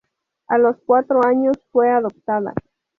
A los cuatro años fue adoptada.